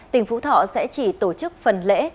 tỉnh phú thọ sẽ chỉ tổ chức phần lễ